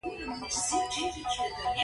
خپه کېږه مه، دا پکې راځي